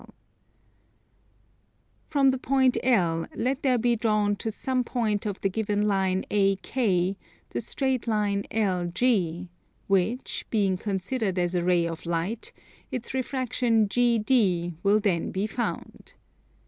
From the point L let there be drawn to some point of the given line AK the straight line LG, which, being considered as a ray of light, its refraction GD will then be found.